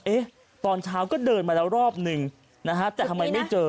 ตอนเช้าก็เดินมาแล้วรอบหนึ่งนะฮะแต่ทำไมไม่เจอ